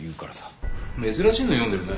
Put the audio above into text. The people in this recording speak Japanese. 珍しいの読んでるね。